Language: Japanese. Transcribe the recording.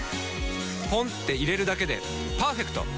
ポンって入れるだけでパーフェクト！